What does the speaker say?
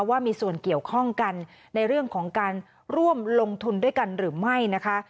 ว่ามีส่วนเกี่ยวข้องกันในเรื่องของการร่วมลงทุนด้วยกันหรือไม่นะคะ